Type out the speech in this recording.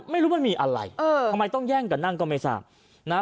ไม่รู้มันมีอะไรเออทำไมต้องแย่งกันนั่งก็ไม่ทราบนะฮะ